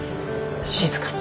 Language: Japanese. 静かに。